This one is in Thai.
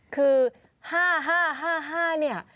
คือ๕๕๕๕นี่